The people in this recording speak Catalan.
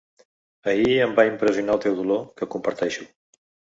Ahir em va impressionar el teu dolor, que comparteixo.